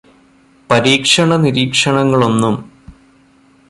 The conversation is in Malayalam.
പരീക്ഷണ നിരീക്ഷണങ്ങളൊന്നും